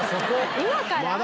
今から？